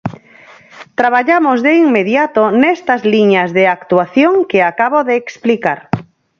Traballamos de inmediato nestas liñas de actuación que acabo de explicar.